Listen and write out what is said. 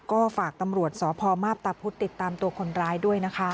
ก็ฝากตำรวจสพมาพตาพุธติดตามตัวคนร้ายด้วยนะคะ